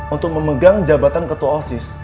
untuk memegang jabatan ketua osis